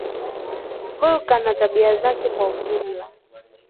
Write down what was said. hulka na tabia zake kwa ujumla